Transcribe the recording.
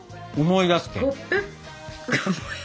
思い出すけん。